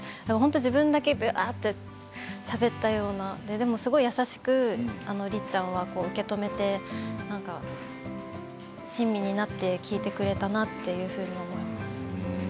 自分だけばっとしゃべったようなでもすごく優しくりっちゃんは受け止めて親身になって聞いてくれたなっていうふうに思います。